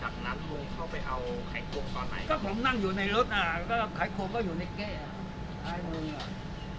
จากนั้นลุงเข้าไปเอาไข่ควงตอนไหนก็ผมนั่งอยู่ในรถอ่ะก็ไข่ควงก็อยู่ในเก๊อร์อ่ะ